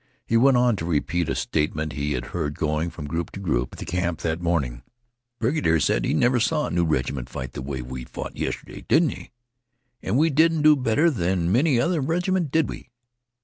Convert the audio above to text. He went on to repeat a statement he had heard going from group to group at the camp that morning. "The brigadier said he never saw a new reg'ment fight the way we fought yestirday, didn't he? And we didn't do better than many another reg'ment, did we?